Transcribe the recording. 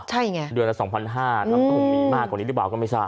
ใช่ไงเดือนละสองพันห้าอืมมีมากกว่านี้หรือเปล่าก็ไม่ทราบ